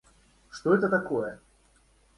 Что это такое?